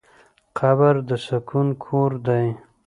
قبر د سکون کور دی.